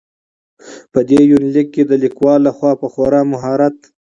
په دې يونليک کې د ليکوال لخوا په خورا مهارت.